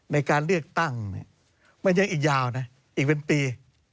ในการเลือกตั้งมันยังอีกยาวนะอีกเป็นปี